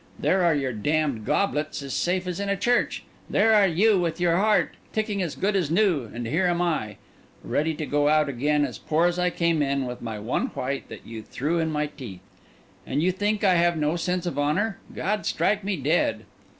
There are your damned goblets, as safe as in a church; there are you, with your heart ticking as good as new; and here am I, ready to go out again as poor as I came in, with my one white that you threw in my teeth! And you think I have no sense of honour—God strike me dead!"